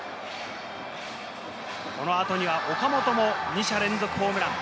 この後には岡本も二者連続ホームラン。